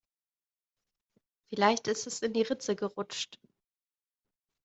Vielleicht ist es in die Ritze gerutscht.